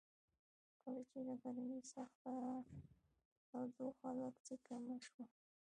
کله چې د غرمې سخته تودوخه لږ څه کمه شوه.